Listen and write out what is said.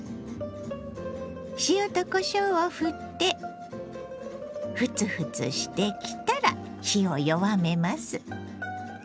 塩とこしょうをふってフツフツしてきたら火を弱めます。